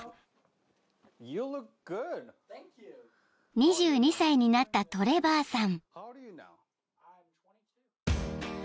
［２２歳になったトレバーさん］